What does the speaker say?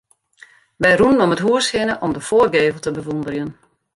Wy rûnen om it hûs hinne om de foargevel te bewûnderjen.